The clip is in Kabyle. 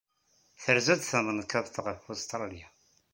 Terza-d tmenkadt ɣef Ustṛalya.